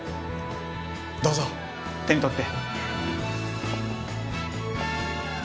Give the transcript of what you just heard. どうぞ手に取って